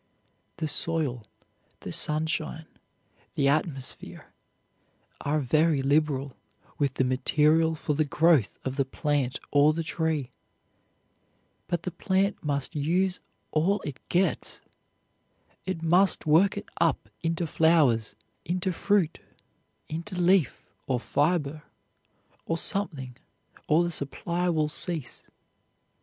The soil, the sunshine, the atmosphere are very liberal with the material for the growth of the plant or the tree, but the plant must use all it gets, it must work it up into flowers, into fruit, into leaf or fiber or something or the supply will cease.